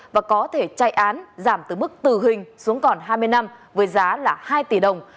và có thể chạy án giảm từ mức tử hình xuống còn hai mươi năm với giá là hai tỷ đồng